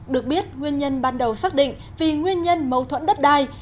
được biết nguyên nhân ban đầu xác định vì nguyên nhân mâu thuẫn đất đai